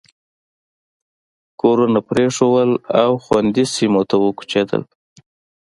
کورونه پرېښودل او خوندي سیمو ته وکوچېدل.